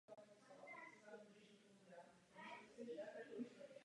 Ve vozech byl zrušen jeden fiktivní oddíl ve prospěch prostoru pro přepravu jízdních kol.